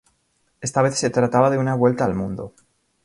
Esta vez se trataba de una vuelta al mundo.